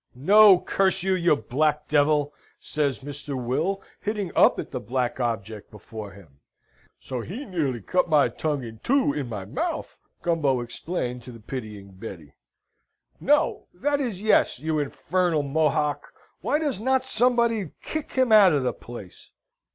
"No, curse you, you black devil!" says Mr. Will, hitting up at the black object before him. ("So he nearly cut my tongue in to in my mouf!" Gumbo explained to the pitying Betty.) "No, that is, yes! You infernal Mohock! Why does not somebody kick him out of the place?"